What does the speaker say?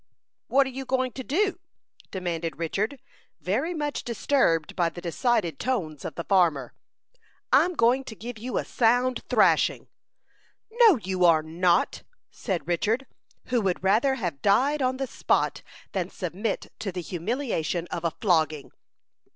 "What are you going to do?" demanded Richard, very much disturbed by the decided tones of the farmer. "I'm going to give you a sound thrashing." "No, you are not," said Richard, who would rather have died on the spot than submit to the humiliation of a flogging.